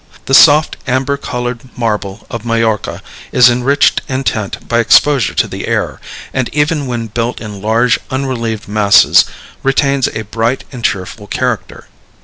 The soft amber colored marble of Majorca is enriched in tint by exposure to the air, and even when built in large, unrelieved masses retains a bright and cheerful character.